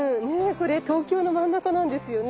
これ東京の真ん中なんですよね。